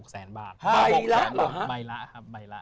๕๖แสนบาทใบละครับ